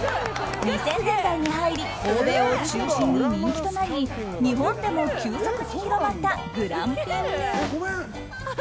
２０００年代に入り欧米を中心に人気となり日本でも急速に広まったグランピング。